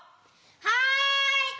はい！